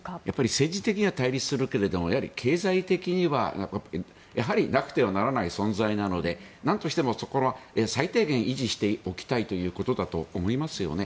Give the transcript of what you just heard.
政治的には対立するけれど経済的にはやはりなくてはならない存在なのでなんとしても最低限維持しておきたいということだと思いますよね。